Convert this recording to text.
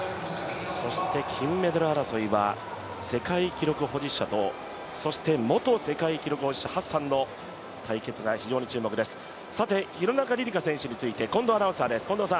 そして金メダル争いは世界記録保持者とそして元世界記録保持者ハッサンの対決が非常に注目です、廣中璃梨佳選手について、近藤アナウンサーです。